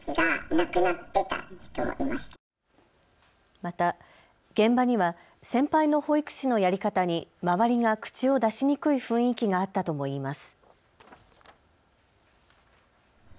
また現場には先輩の保育士のやり方に周りが口を出しにくい雰囲気があったとも言います。